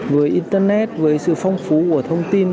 với internet với sự phong phú của thông tin